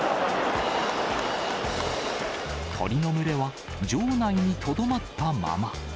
鳥の群れは場内にとどまったまま。